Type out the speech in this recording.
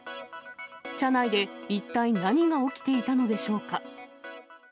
車内で一体何が起きていたのでしょうか。